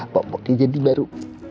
popoknya jadi baru